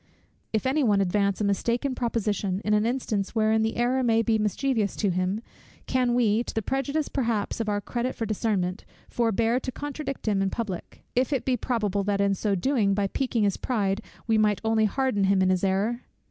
If any one advance a mistaken proposition, in an instance wherein the error may be mischievous to him; can we, to the prejudice perhaps of our credit for discernment, forbear to contradict him in public, if it be probable that in so doing, by piquing his pride we might only harden him in his error?